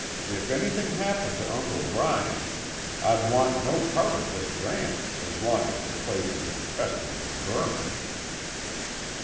If anything happened to Uncle Bryant, I'd want no part of this ranch as long as the place is infested with vermin."